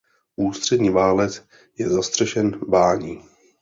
Ústřední válec je zastřešen bání.